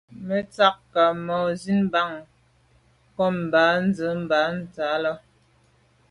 Me tshag nka’ ma’ nsi mban kum ba’ z’a ba tsha là.